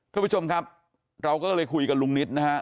ทุกผู้ชมครับเราก็เลยคุยกับลุงนิตนะฮะ